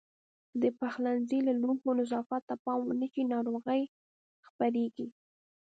که د پخلنځي او لوښو نظافت ته پام ونه شي ناروغۍ خپرېږي.